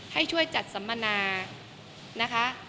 ให้ช่วยจัดสัมมนานะคะ